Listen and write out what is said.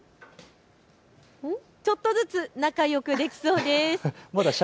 ちょっとずつ仲よくできそうです。